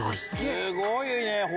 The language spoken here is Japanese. すごいね。